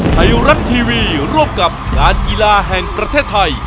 ไทยรัฐทีวีร่วมกับงานกีฬาแห่งประเทศไทย